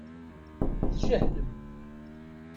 Tjehlem.